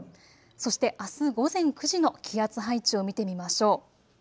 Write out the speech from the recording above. そしてあす午前９時の気圧配置を見てみましょう。